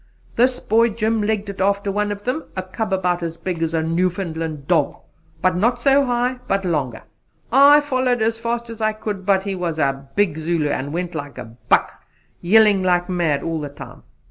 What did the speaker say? This boy Jim legged it after one of them, a cub about as big as a Newfoundland dog not so high, but longer. I followed him as fast as I could, but he was a big Zulu and went like a buck, yelling like mad all the time.